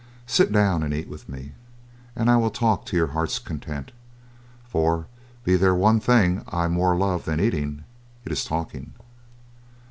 Sit down and eat with me, and I will talk to your heart's content, for be there one other thing I more love than eating, it is talking."